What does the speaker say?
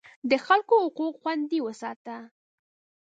د خلکو حقوق خوندي وساته.